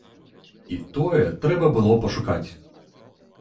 І тое, трэба было пашукаць.